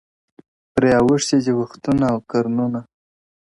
• پرې اوښتي دي وختونه او قرنونه,